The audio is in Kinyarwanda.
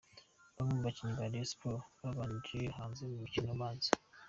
Bamwe mu bakinnyi ba Rayon Sports babanje hanze mu mukino ubanza .